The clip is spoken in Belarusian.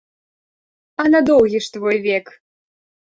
А на доўгі ж твой век!